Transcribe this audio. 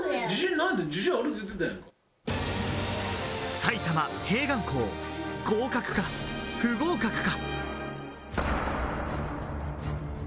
埼玉併願校、合格か不合格か？